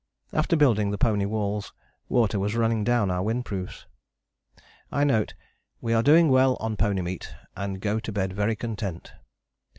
After building the pony walls water was running down our windproofs. I note "we are doing well on pony meat and go to bed very content."